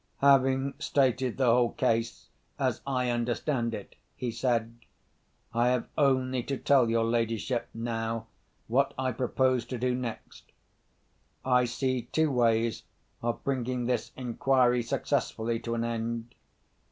"Having stated the whole case as I understand it," he said, "I have only to tell your ladyship, now, what I propose to do next. I see two ways of bringing this inquiry successfully to an end.